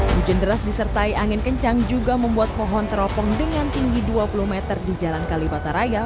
hujan deras disertai angin kencang juga membuat pohon teropong dengan tinggi dua puluh meter di jalan kalibata raya